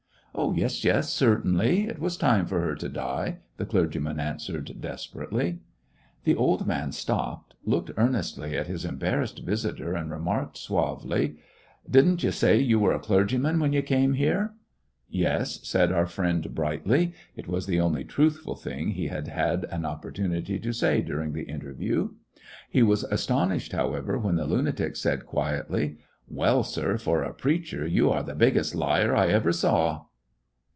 "Yes, yes, certainly ; it was time for her to die," the clergyman answered desperately. The old man stopped, looked earnestly at his embarrassed visitor, and remarked suavely : "Did n't you say you were a clergyman, when you came here!" "Yes," said our friend, brightly— it was the only truthful thing he had had an opportu nity to say during the interview. He was astonished, however, when the lunatic said quietly : "Well, sir, for a preacher you are the big gest liar I ever saw."